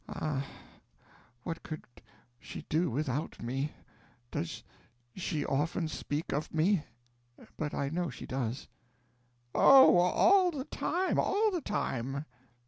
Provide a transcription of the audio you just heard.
Ah, what could she do without me!... Does she often speak of me? but I know she does." "Oh, all the time all the time!"